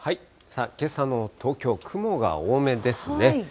けさの東京、雲が多めですね。